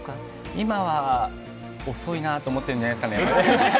今は、遅いなと思ってるんじゃないですかね。